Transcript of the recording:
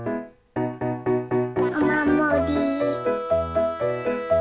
おまもり。